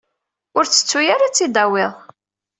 Ur tettu ara ad t-id-tawiḍ!